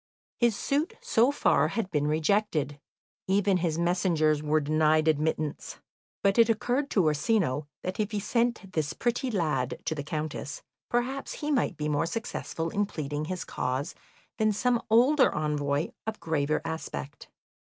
His suit so far had been rejected, even his messengers were denied admittance; but it occurred to Orsino that if he sent this pretty lad to the Countess perhaps he might be more successful in pleading his cause than some older envoy of graver aspect.